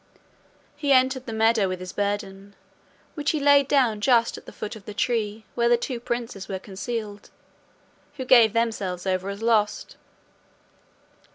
He entered the meadow with his burden, which he laid down just at the foot of the tree where the two princes were concealed, who gave themselves over as lost.